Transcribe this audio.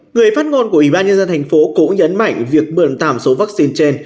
người phát ngôn của ủy ban nhân dân thành phố cũng nhấn mạnh việc mượn tạm số vaccine trên